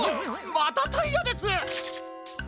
またタイヤです！